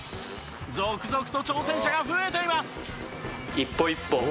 続々と挑戦者が増えています。